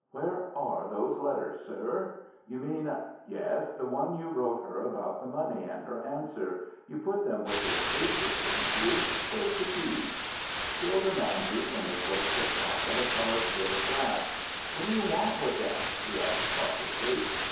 "Where are those letters, sir?" "You mean " "Yes, the one you wrote her about the money, and her answer. You put them with his papers, didn't you? Where's the key?" The older man drew from his waistcoat pocket a carved bit of brass. "What do you want with them?" he asked, cautiously.